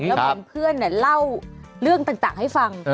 แล้วเห็นเพื่อนเนี่ยเล่าเรื่องต่างให้ฟัง